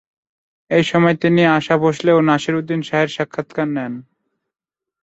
এই সময়ে তিনি আশা ভোঁসলে ও নাসিরুদ্দিন শাহের সাক্ষাৎকার নেন।